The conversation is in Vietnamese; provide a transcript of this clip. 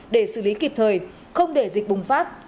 để xử lý kịp thời không để dịch bùng phát